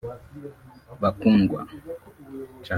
Bakundwa